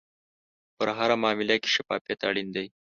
په هره معامله کې شفافیت اړین دی.